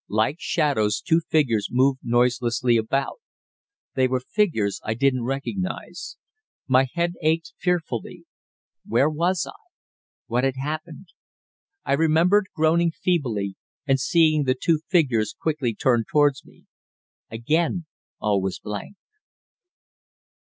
Like shadows two figures moved noiselessly about. They were figures I didn't recognize. My head ached fearfully. Where was I? What had happened? I remember groaning feebly, and seeing the two figures quickly turn towards me. Again all was blank.